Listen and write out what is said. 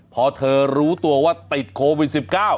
พอเธอรู้ตัวว่าติดโควิด๑๙